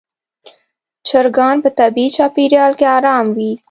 چرګان په طبیعي چاپېریال کې آرام وي.